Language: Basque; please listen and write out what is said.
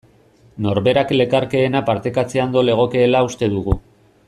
Norberak lekarkeena partekatzea ondo legokeela uste dugu.